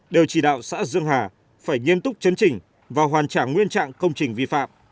đều chỉ đạo xã dương hà phải nghiêm túc chấn trình và hoàn trả nguyên trạng công trình vi phạm